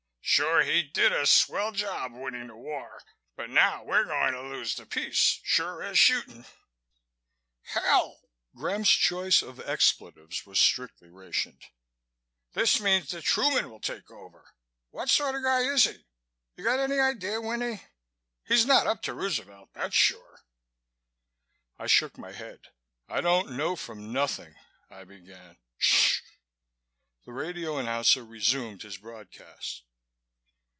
"Sure he did a swell job winning the war, but now we're going to lose the peace, sure as shooting!" "Hell!" Graham's choice of expletives was strictly rationed. "This means that Truman will take over. What sort of a guy is he? You got any idea, Winnie? He's not up to Roosevelt, that's sure." I shook my head. "I don't know from nothing," I began. "Sh!" The radio announcer resumed his broadcast.